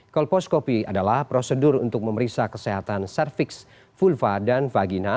kolposcopy adalah prosedur untuk memeriksa kesehatan cervix vulva dan vagina